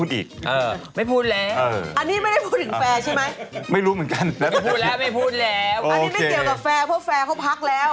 อันนี้ไม่เกี่ยวกับแฟร์เพราะแฟร์เขาพักแล้ว